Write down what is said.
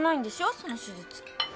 その手術。